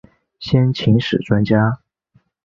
先秦史专家。